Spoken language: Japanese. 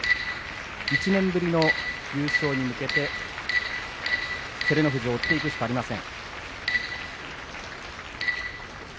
１年ぶりの優勝に向けて照ノ富士を追っていくしかありません。